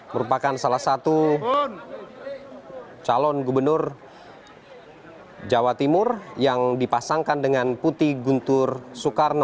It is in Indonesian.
merupakan salah satu calon gubernur jawa timur yang dipasangkan dengan putih guntur soekarno